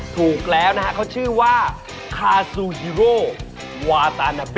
ถูกแล้วนะฮะเขาชื่อว่าคาซูฮีโร่วาตานาเบ